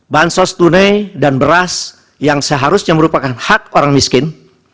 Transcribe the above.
bansos tunai dan beras yang seharusnya merupakan hak orang miskin